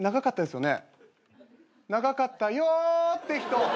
長かったよって人。